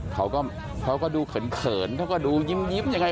เขาก็เขาก็ดูเขินเขาก็ดูยิ้มยังไง